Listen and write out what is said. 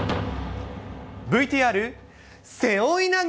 ＶＴＲ、背負い投げ―。